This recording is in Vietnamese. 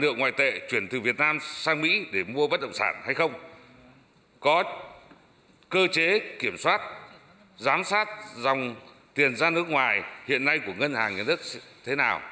chỉ đốc cho biết số liệu này có phải là người việt nam sang mỹ để mua bất động sản hay không việc giám sát dòng tiền ra nước ngoài của ngân hàng nhà nước như thế nào